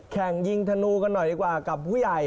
แข่งยิงธนูกันหน่อยดีกว่ากับผู้ใหญ่